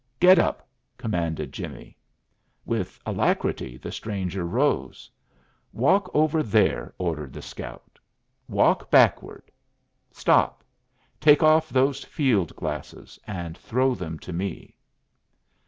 "Get up!" commanded Jimmie. With alacrity the stranger rose. "Walk over there," ordered the scout. "Walk backward. Stop! Take off those field glasses and throw them to me."